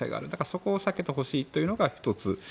そこを避けてほしいというのが１つ。